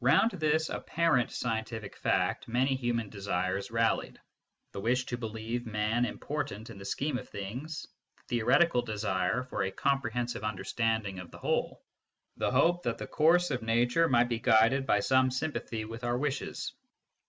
Round this apparent scientific fact, many human desires rallied : the wish to believe ManiL important in the scheme of things, the theoretical desirq q for a comprehensive understanding of the Whole, the hope that the course of nature might be guided by some sympathy with our wishes.